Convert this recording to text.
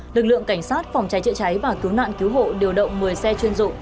lực lượng cảnh sát phòng cháy chữa cháy và cứu nạn cứu hộ điều động một mươi xe chuyên dụng